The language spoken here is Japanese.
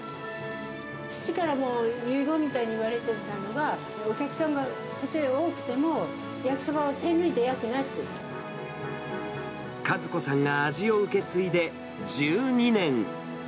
父からもう、遺言みたいに言われてたのは、お客さんがたとえ多くても、和子さんが味を受け継いで１２年。